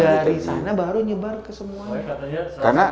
dari sana baru nyebar ke semuanya